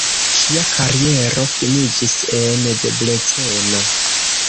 Ŝia kariero finiĝis en Debreceno.